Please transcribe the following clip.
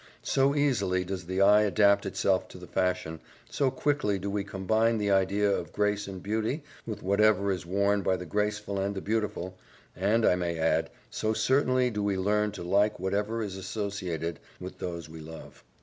So easily does the eye adapt itself to the fashion, so quickly do we combine the idea of grace and beauty with whatever is worn by the graceful and the beautiful, and I may add, so certainly do we learn to like whatever is associated with those we love.